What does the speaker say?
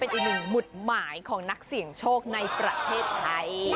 อีกหนึ่งหมุดหมายของนักเสี่ยงโชคในประเทศไทย